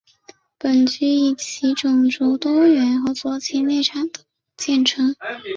本区以其种族多元和左倾立场见称。